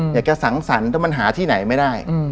อยากจะสังสรรค์ถ้ามันหาที่ไหนไม่ได้